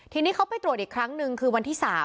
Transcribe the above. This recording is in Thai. ทีนี้เขาไปตรวจอีกครั้งหนึ่งคือวันที่๓